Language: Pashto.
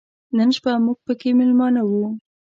نن شپه موږ پکې مېلمانه و.